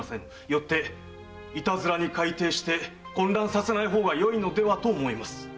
よっていたずらに改訂して混乱させないほうがよいのではと思います。